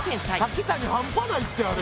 柿谷半端ないってあれ！